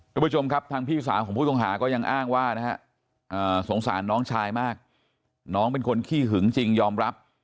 ทุกผู้ชมครับทางพี่สาวของผู้ต้องหาก็ยังอ้างว่านะฮะสงสารน้องชายมากน้องเป็นคนขี้หึงจริงยอมรับ